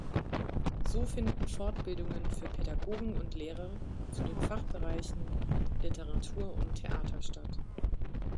So finden Fortbildungen für Pädagogen und Lehrer zu den Fachbereichen Literatur und Theater statt.